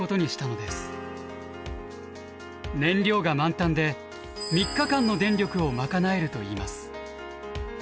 燃料が満タンで３日間の電力を賄えるといいます。